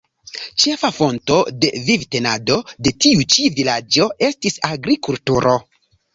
Ĉefa fonto de vivtenado de tiu ĉi vilaĝo estis agrikulturo.